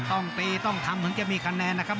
ต้องตีต้องทำเหมือนจะมีคะแนนนะครับ